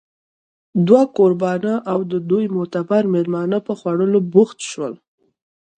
دوه کوربانه او د دوی معتبر مېلمانه په خوړلو بوخت شول